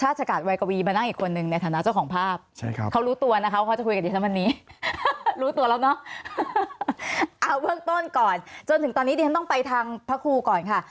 ตัวตัวแล้วเนอะอ่าเริ่มต้นก่อนจนถึงตอนนี้เดี๋ยวต้องไปทางพระครูก่อนค่ะ